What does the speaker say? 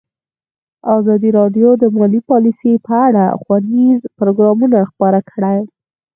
ازادي راډیو د مالي پالیسي په اړه ښوونیز پروګرامونه خپاره کړي.